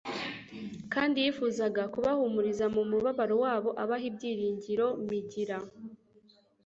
kandi yifuzaga kubahumuriza mu mubabaro wabo abaha ibyiringiro migira